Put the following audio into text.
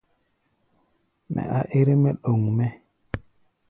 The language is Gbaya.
Mɛ á ɛ́r-mɛ́ ɗoŋ mɛ́.